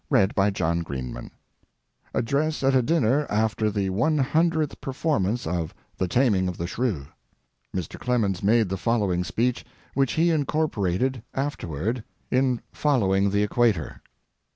DALY THEATRE ADDRESS AT A DINNER AFTER THE ONE HUNDREDTH PERFORMANCE OF "THE TAMING OF THE SHREW." Mr. Clemens made the following speech, which he incorporated afterward in Following the Equator.